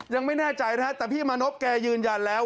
ยังไม่แน่ใจนะฮะแต่พี่มานพแกยืนยันแล้ว